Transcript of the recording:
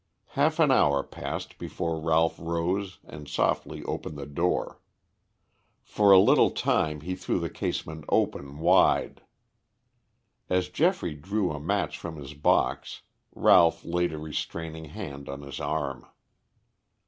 Half an hour passed before Ralph rose and softly opened the door. For a little time he threw the casement open wide. As Geoffrey drew a match from his box Ralph laid a restraining hand on his arm.